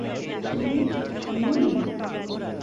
তুমি-- - মিমি!